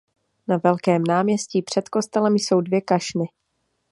Na velkém náměstí před kostelem jsou dvě kašny.